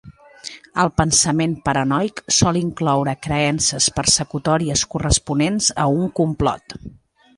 El pensament paranoic sol incloure creences persecutòries corresponents a un complot.